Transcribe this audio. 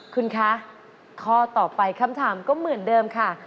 คุณคะข้อต่อไปคำถามก็เหมือนเดิมค่ะ